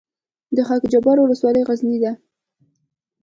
د خاک جبار ولسوالۍ غرنۍ ده